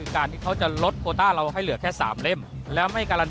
การลดโคต้าให้เหลือแค่๓เล่ม